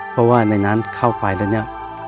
เพราะว่าในนั้นเข้าไปแล้วเนี่ย